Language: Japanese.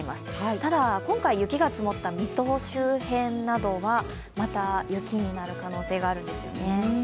ただ、今回雪が積もった水戸周辺などは、また雪になる可能性があるんですよね。